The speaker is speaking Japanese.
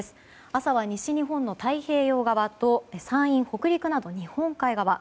朝は西日本の太平洋側と山陰、北陸など日本海側。